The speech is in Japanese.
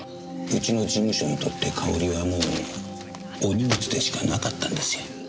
うちの事務所にとってかおりはもうお荷物でしかなかったんですよ。